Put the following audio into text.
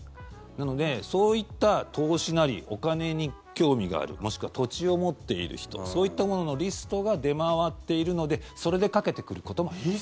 なので、そういった投資なりお金に興味があるもしくは土地を持っている人そういったもののリストが出回っているので、それでかけてくることもあります。